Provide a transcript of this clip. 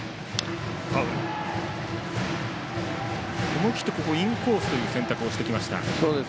思い切ってインコースという選択をしてきました。